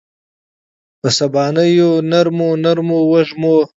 په سبانیو نرمو، نرمو وږمو